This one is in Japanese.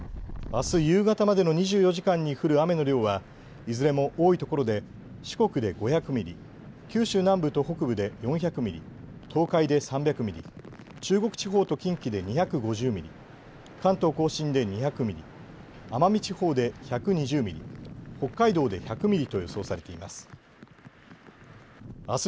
あす夕方までの２４時間に降る雨の量はいずれも多いところで四国で５００ミリ、九州南部と北部で４００ミリ、東海で３００ミリ、中国地方と近畿で２５０ミリ、関東甲信で２００ミリ、奄美地方で１２０ミリ、北海道で１００ミリと予想されています。